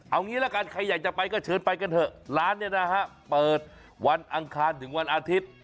เอางี้ละกันใครอยากจะไปก็เชิญไปกันเถอะร้านเนี่ยนะฮะเปิดวันอังคารถึงวันอาทิตย์